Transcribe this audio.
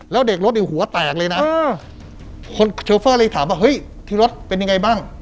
แล้วเด็กรถเนี่ยหัวแตกเลยนะคนโชเฟอร์เลยถามว่าเฮ้ยที่รถเป็นยังไงบ้าง